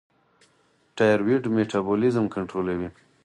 تایرویډ میټابولیزم کنټرولوي.